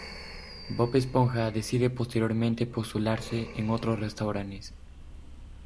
Bob Esponja decide posteriormente postularse en otros restaurantes.